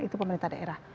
itu pemerintah daerah